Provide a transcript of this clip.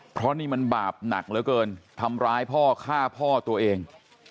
เพราะนี่มันบาปหนักเหลือเกินทำร้ายพ่อฆ่าพ่อตัวเอง